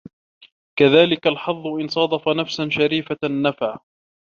كَذَلِكَ الْحَظُّ إنْ صَادَفَ نَفْسًا شَرِيفَةً نَفَعَ